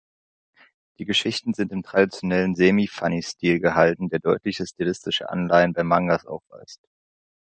Die Geschichten sind im traditionellen Semi-Funny-Stil gehalten, der deutliche stilistische Anleihen bei Mangas aufweist.